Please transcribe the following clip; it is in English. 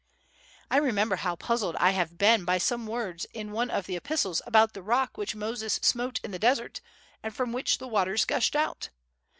I remember how puzzled I have been by some words in one of the Epistles about the rock which Moses smote in the desert, and from which the waters gushed out.